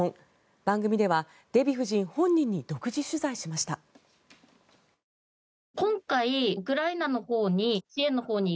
番組ではデヴィ夫人本人に独自取材しました。